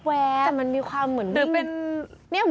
แต่มันมีความเหมือนวิ่ง